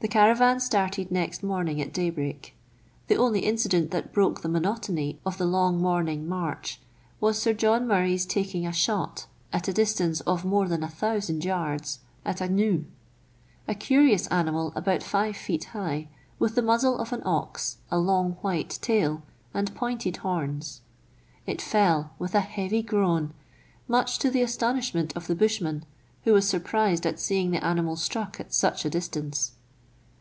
The caravan started next morning at daybreak. The only incident that broke the monotony of the long morning march, was Sir John Murray's taking a shot, at a distance 4 58 meridiana; the adventures of of more than looo yards, at a gnu, a curious animal about five feet high, with the muzzle of an ox, a long white tail, and pointed horns. It fell with a heavy groan, much to the astonishment of the bushman, who was surprised at seeing the animal struck at such a distance.